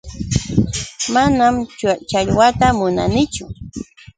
Manam challwata munanichu.